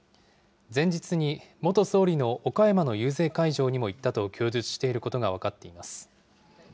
前日に元総理の岡山の遊説会場にも行ったと供述していることが分かっています。